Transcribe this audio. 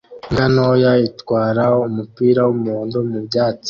Imbwa nto itwara umupira w'umuhondo mu byatsi